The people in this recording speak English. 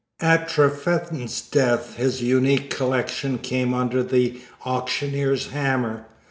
At Trefethen's death his unique collection came under the auctioneer's hammer.